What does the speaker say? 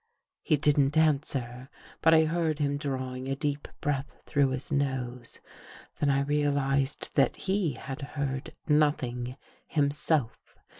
He didn't answer, but I heard him drawing a deep breath through his nose. Then I realized that he had heard nothing himself.